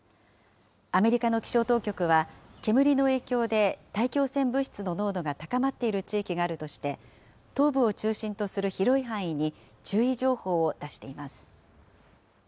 アメリカの気象当局は、煙の影響で大気汚染物質の濃度が高まっている地域があるとして、東部を中心とする広い範囲に注意情報を出しています。